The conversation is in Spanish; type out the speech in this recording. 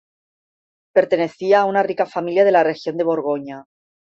Pertenecía a una rica familia de la región de Borgoña.